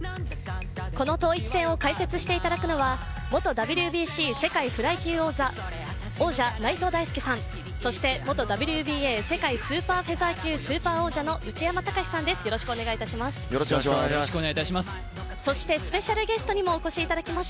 この統一戦を解説していただくのは元ＷＢＣ世界フライ級王者、内藤大助さんそして元ＷＢＡ世界スーパーフェザー級スーパー王者の内山高志さんです、よろしくお願いいたします。